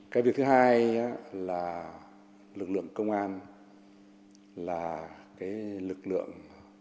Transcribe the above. cái việc thứ hai là lực lượng công an là cái lực lượng